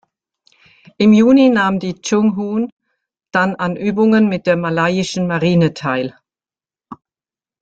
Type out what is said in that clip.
Im Juni nahm die "Chung-Hoon" dann an Übungen mit der malayischen Marine teil.